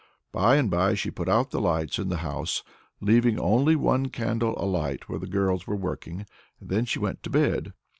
By and by she put out the lights in the house, leaving only one candle alight where the girls were working, and then she went to bed.